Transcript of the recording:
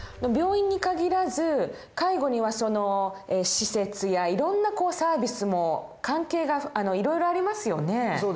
病院に限らず介護にはその施設やいろんなサービスも関係がいろいろありますよね。